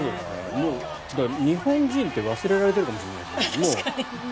もう、日本人って忘れられてるかもしれないですね。